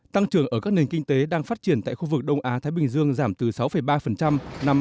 tăng trưởng ở các nền kinh tế đang phát triển tại khu vực đông á thái bình dương giảm từ sáu ba năm hai nghìn một mươi tám